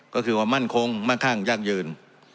ก็คือความมั่นคงมั่งคั่งยั่งยืน